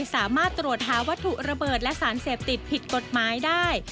สามารถตรวจหาวัตถุระเบิดและสารเสพติดผิดกฎหมายได้